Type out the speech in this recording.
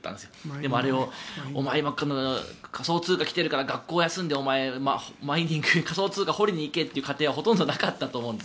でもあれを仮想通貨が来ているから学校を休んで、マイニング仮想通貨を掘りに行けと言う家はほとんどなかったと思うんです。